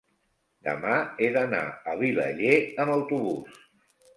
demà he d'anar a Vilaller amb autobús.